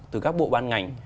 từ các bộ ban ngành